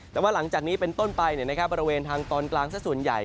แต่ว่าหลังจากนี้เป็นต้นไปบริเวณทางตอนกลางสักส่วนใหญ่